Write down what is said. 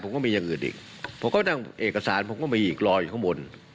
ผมก็มีอย่างอื่นอีกผมก็นั่งเอกสารผมก็มีอีกรออยู่ข้างบน